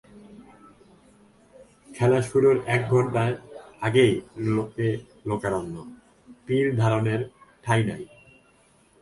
খেলা শুরুর এক ঘণ্টা আগেই লোকে লোকারণ্য, তিলধারণের ঠাঁই নেই।